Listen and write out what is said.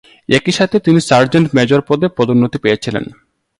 একই সাথে, তিনি সার্জেন্ট মেজর পদে পদোন্নতি পেয়েছিলেন।